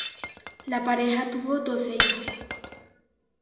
La pareja tuvo doce hijos.